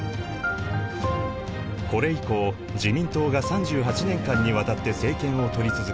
これ以降自民党が３８年間にわたって政権をとり続け